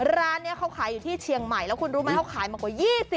ร้านนี้เขาขายอยู่ที่เชียงใหม่แล้วคุณรู้ไหมเขาขายมากว่า๒๐